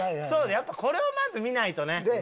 やっぱこれをまず見ないとね。